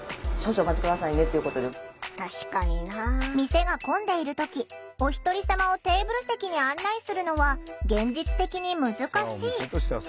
店が混んでいる時おひとり様をテーブル席に案内するのは現実的に難しい。